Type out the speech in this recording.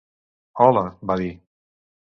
Hola, va dir.